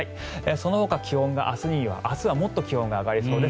そのほか明日はもっと気温が上がりそうです。